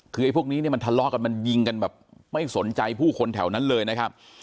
คือไอ้พวกนี้เนี่ยมันทะเลาะกันมันยิงกันแบบไม่สนใจผู้คนแถวนั้นเลยนะครับ